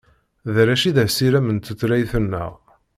D arrac i d asirem n tutlayt-nneɣ.